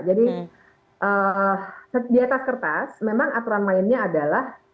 jadi di atas kertas memang aturan lainnya adalah